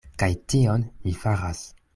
Kaj tion mi faras.